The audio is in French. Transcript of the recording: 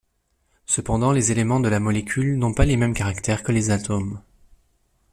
Cependant les éléments de la molécule n'ont pas les mêmes caractères que les atomes.